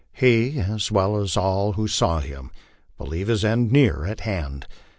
He, as well as all who saw him, believed his end near at hand.